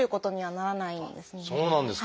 そうなんですか。